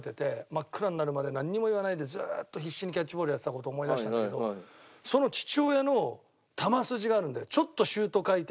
真っ暗になるまでなんにも言わないでずっと必死にキャッチボールやってた事思い出したんだけどその父親の球筋があるんだよ。